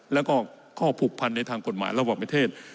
แล้วก็ข้อผูกพันในทางกฎหมายระหว่างประเทศ